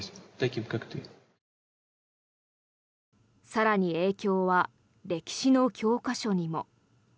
更に影響は歴史の教科書にも。